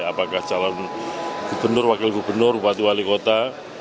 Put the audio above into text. apakah calon gubernur wakil gubernur bupati wali kota